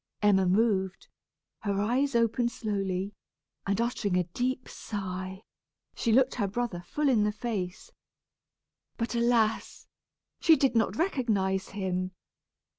Emma moved, her eyes opened slowly, and uttering a deep sigh, she looked her brother full in the face. But alas! she did not recognize him.